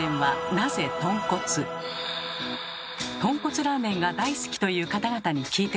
とんこつラーメンが大好きという方々に聞いてみました。